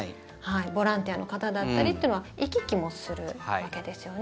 ボランティアの方だったりというのは行き来もするわけですよね。